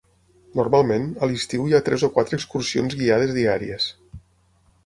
Normalment, a l'estiu hi ha tres o quatre excursions guiades diàries.